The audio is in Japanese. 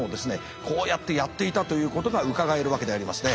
こうやってやっていたということがうかがえるわけでありますね。